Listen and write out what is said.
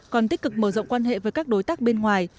còn tích cực mở rộng quan hệ với các đối tác bên ngoài